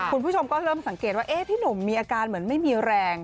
คุณผู้ชมก็เริ่มสังเกตว่าพี่หนุ่มมีอาการเหมือนไม่มีแรง